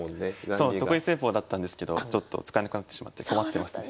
そう得意戦法だったんですけどちょっと使えなくなってしまって困ってますね。